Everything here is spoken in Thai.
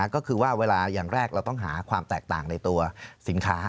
ก็คือว่าเวลาอย่างแรกเราต้องหาความแตกต่างในตัวสินค้า